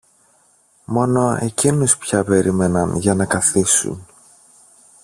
Μόνο εκείνους πια περίμεναν για να καθίσουν.